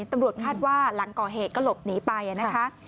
ตำรวจคาดว่าหลังก่อเหตุก็หลบหนีไปนะคะ